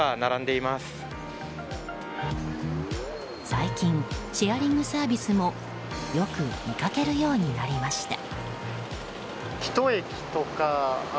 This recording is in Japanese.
最近シェアリングサービスもよく見かけるようになりました。